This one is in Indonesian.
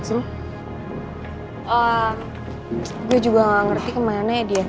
eee gue juga gak ngerti kemarenanya dia